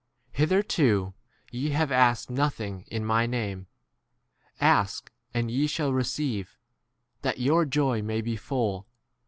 r 2t Hitherto ye have asked nothing in my name : ask, and ye shall re. ceive, that your joy may be full.